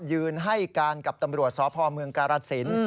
ยืนให้การกับตำรวจสพเมืองกาลสิน